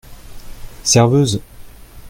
Serveuse !